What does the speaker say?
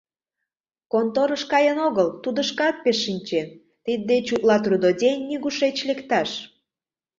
Конторыш каен огыл, тудо шкат пеш шинчен: тиддеч утла трудодень нигушеч лекташ...